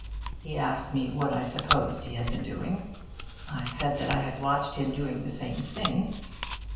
He asked me what I supposed he had been doing. I said that I had watched him doing the same thing.